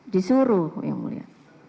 disuruh yang mulia